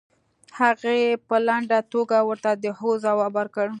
هغې په لنډه توګه ورته د هو ځواب ورکړ.